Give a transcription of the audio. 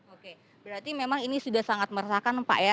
oke berarti memang ini sudah sangat meresahkan pak ya